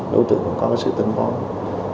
đối tượng cũng có sự tình hóa